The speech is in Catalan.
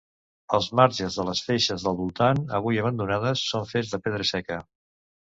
Els màrgens de les feixes del voltant, avui abandonades, són fets de pedra seca.